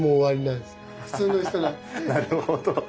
なるほど。